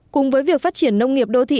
cùng với việc phát triển nông nghiệp đô thị